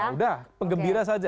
nah sudah penggembira saja